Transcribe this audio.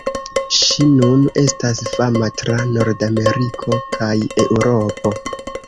Ŝi nun estas fama tra Nordameriko kaj Eŭropo.